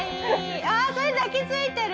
ああー抱きついてる！